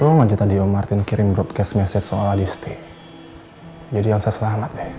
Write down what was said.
gue udah ada tangga